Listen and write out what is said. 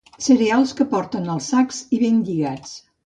Cereals que porten els sacs i ben lligats.